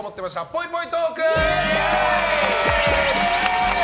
ぽいぽいトーク！